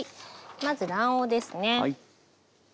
まず卵黄ですね。